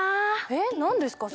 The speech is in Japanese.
えっ何ですか？